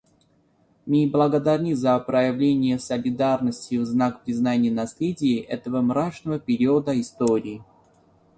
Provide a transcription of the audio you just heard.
Мы благодарны за проявление солидарности в знак признания наследия этого мрачного периода истории.